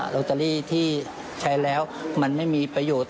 ลอตเตอรี่ที่ใช้แล้วมันไม่มีประโยชน์